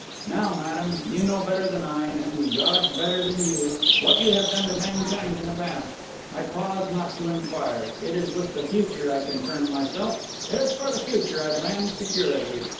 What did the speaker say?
Now, madam, you know better than I, and God better than you, what you have done to mankind in the past; I pause not to inquire; it is with the future I concern myself, it is for the future I demand security.